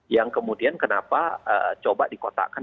yang kemudian kenapa coba dikotakkan